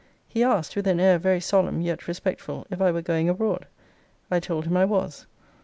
He asked, with an air very solemn yet respectful, if I were going abroad. I told him I was.